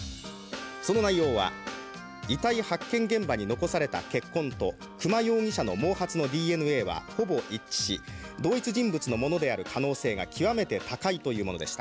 その内容は遺体発見現場に残された血痕と久間容疑者の毛髪のＤＮＡはほぼ一致し同一人物のものである可能性が極めて高いというものでした。